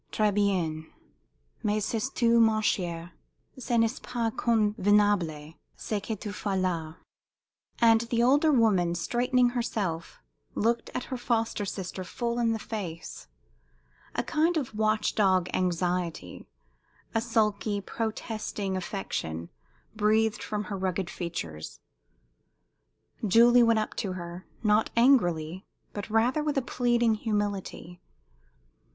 "Très bien. Mais sais tu, ma chère, ce n'est pas convenable, ce que tu fais là!" And the older woman, straightening herself, looked her foster sister full in the face. A kind of watch dog anxiety, a sulky, protesting affection breathed from her rugged features. Julie went up to her, not angrily, but rather with a pleading humility.